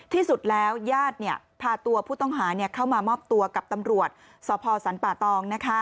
ที่สุดแล้วญาติพาตัวผู้ต้องหาเข้ามามอบตัวกับตำรวจสพสรรป่าตอง